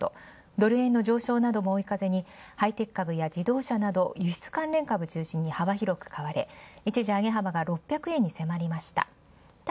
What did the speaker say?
ドル円の上昇なども追い風にハイテク株や自動車など輸出関連株を中心に幅広く買われ、一時上げ幅が６００円に迫りました。